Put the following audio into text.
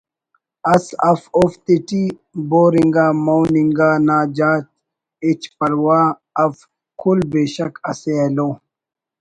اس اف اوفتیٹی بور انگا مون انگا نا ہچ پرواہ اف کل بیشک اسہ ایلو